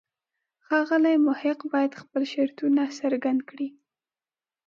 ښاغلی محق باید خپل شرطونه څرګند کړي.